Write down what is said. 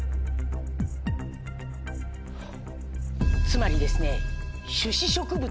つまりですね。